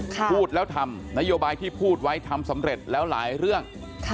พูดแล้วทำนโยบายที่พูดไว้ทำสำเร็จแล้วหลายเรื่อง